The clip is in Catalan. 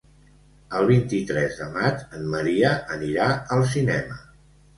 El vint-i-tres de maig en Maria anirà al cinema.